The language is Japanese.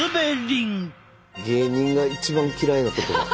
芸人が一番嫌いな言葉。